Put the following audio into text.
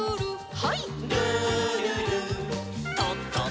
はい。